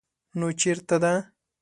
_نو چېرته ده؟